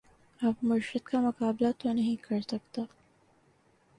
اب مرشد کا مقابلہ تو نہیں کر سکتا